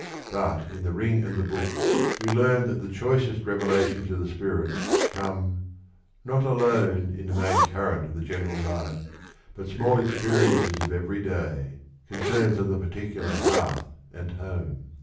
But in The Rin g and fh/>. Book we learn that the choicest revelations of the Spirit come "not alone In the main current of the general life But s mall experiences of eve ry day, Concerns of the particular hearth and home."